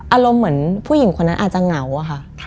อารมณ์เหมือนผู้หญิงคนนั้นอาจจะเหงาอะค่ะ